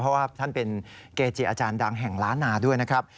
เพราะว่าท่านเป็นเกจิอาจารย์ดังแห่งล้านนาด้วยนะครับ